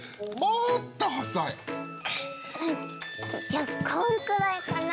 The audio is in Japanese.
じゃこんくらいかな？